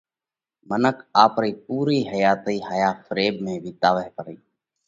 منک آپرئِي پُورئِي حياتئِي هائيا فريڀ ۾ وِيتاوئه پرئِي۔